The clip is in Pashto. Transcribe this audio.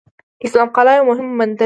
اسلام قلعه یو مهم بندر دی.